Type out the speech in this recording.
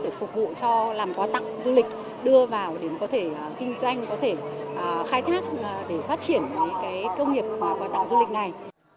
để phục vụ cho làm quà tặng du lịch đưa vào để có thể kinh doanh có thể khai thác để phát triển công nghiệp quà tặng du lịch này